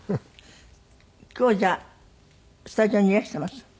今日じゃあスタジオにいらしています？